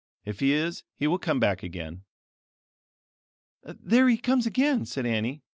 If he is he will come back again." "There he comes again," said Annie.